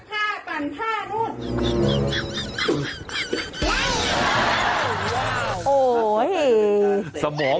ไม่มีอะไรทำหรอก